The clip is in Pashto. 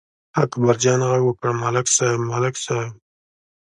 اکبرجان غږ وکړ: ملک صاحب، ملک صاحب!